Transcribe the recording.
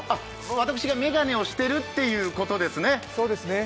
私が眼鏡をしているということですね。